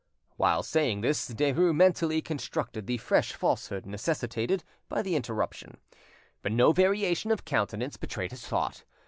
While saying this Derues mentally constructed the fresh falsehood necessitated by the interruption, but no variation of countenance betrayed his thought.